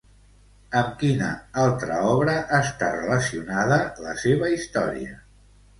Amb quina altra obra està relacionada la seva història?